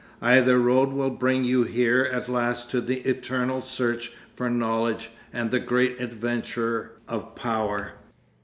Either road will bring you here at last to the eternal search for knowledge and the great adventure of power.